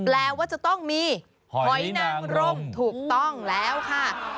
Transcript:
แปลว่าจะต้องมีหอยนางร่มถูกต้องแล้วค่ะ